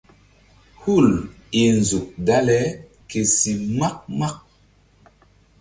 Hul i nzuk dale ke si mak mak.